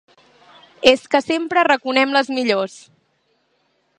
És que sempre arraconem les millors!